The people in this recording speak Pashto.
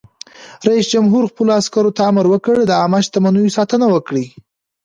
رئیس جمهور خپلو عسکرو ته امر وکړ؛ د عامه شتمنیو ساتنه وکړئ!